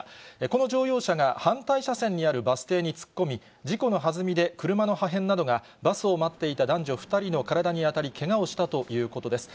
この乗用車が反対車線にあるバス停に突っ込み、事故のはずみで車の破片などがバスを待っていた男女２人の体に当たり、けがをしたということです。